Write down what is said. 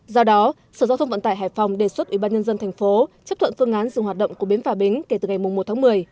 do đó sở giao thông vận tải hải phòng đề xuất ủy ban nhân dân thành phố chấp thuận phương án dừng hoạt động của bến phà bính kể từ ngày một tháng một mươi